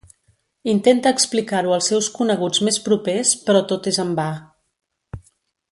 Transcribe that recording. Intenta explicar-ho als seus coneguts més propers però tot és en va.